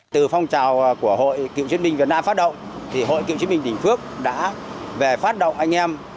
từ phong trào của hội cựu chiến binh việt nam phát động hội cựu chiến binh tỉnh phước đã về phát động anh em